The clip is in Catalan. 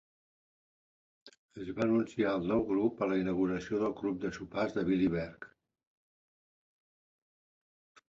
Es va anunciar el nou grup a la inauguració del Club de sopars de Billy Berg.